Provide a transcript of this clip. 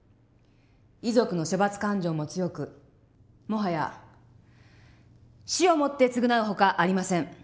遺族の処罰感情も強くもはや死をもって償うほかありません。